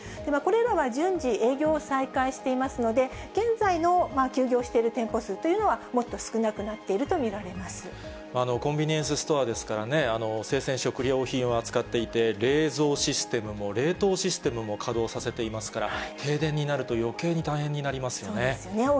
これらは順次、営業を再開していますので、現在の休業している店舗数というのはもっと少なくなっていると見コンビニエンスストアですからね、生鮮食料品を扱っていて、冷蔵システムも冷凍システムも稼働させていますから、停電になるとよけいに大変になりますよね。